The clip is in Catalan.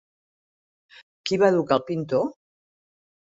Qui va educar al pintor?